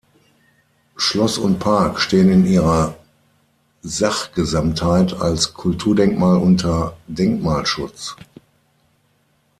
Schloss und Park stehen in ihrer Sachgesamtheit als Kulturdenkmal unter Denkmalschutz.